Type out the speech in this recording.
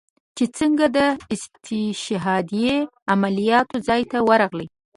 چې سنګه د استشهاديه عملياتو زاى له ورغلې.